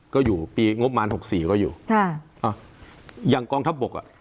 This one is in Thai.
ก็อยู่ปีงบประมาณหกสี่ก็อยู่ค่ะอ่าอย่างกองทัพบกอ่ะ